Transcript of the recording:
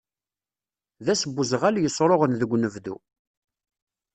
D ass n uzɣal yesruɣen deg unebdu.